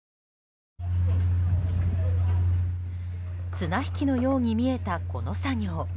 綱引きのように見えたこの作業。